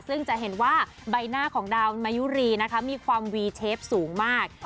ซึ่งจะเห็นว่าใบหน้าของดาวมายุรีนะคะมีความวีเชฟสูงมาก